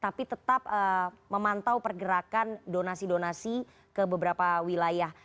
tapi tetap memantau pergerakan donasi donasi ke beberapa wilayah